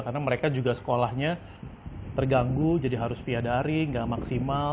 karena mereka juga sekolahnya terganggu jadi harus fiadari gak maksimal